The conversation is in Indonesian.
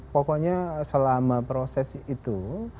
pokoknya selama proses itu